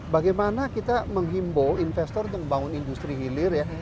bagaimana kita menghimbau investor untuk membangun industri hilir ya